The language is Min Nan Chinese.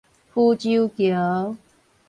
浮洲橋